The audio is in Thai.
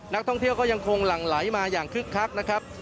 นักท่องเที่ยวก็ยังคงหลั่งไหลมาอย่างคึกคักนะครับ